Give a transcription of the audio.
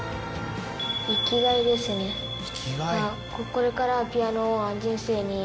これからは。